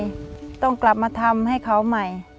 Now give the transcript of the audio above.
ต้องกลับมาทำให้เขาใหม่